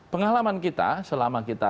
pengalaman kita selama kita